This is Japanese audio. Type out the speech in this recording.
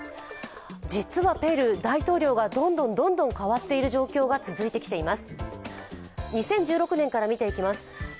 実はペルー、大統領がどんどんどんどんかわっている状況が続いてきています。